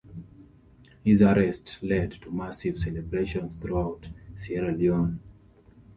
His arrest led to massive celebrations throughout Sierra Leone.